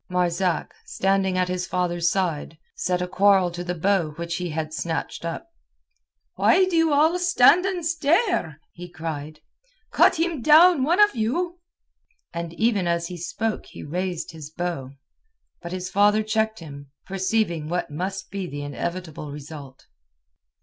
Marzak, standing at his father's side, set a quarrel to the bow which he had snatched up. "Why do you all stand and stare?" he cried. "Cut him down, one of you!" And even as he spoke he raised his bow. But his father checked him, perceiving what must be the inevitable result.